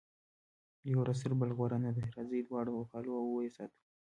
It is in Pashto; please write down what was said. یو وزر تر بل غوره نه دی، راځئ دواړه وپالو او ویې ساتو.